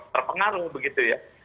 terpengaruh begitu ya